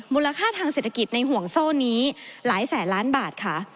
มูลค่าทางเศรษฐกิจในห่วงโซ่นี้หลายแสนล้านบาทค่ะ